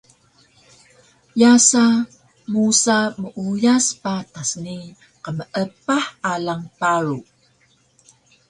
yaasa musa meuyas patas ni qmeepah alang paru